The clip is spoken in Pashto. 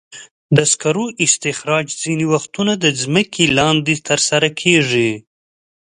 د سکرو استخراج ځینې وختونه د ځمکې لاندې ترسره کېږي.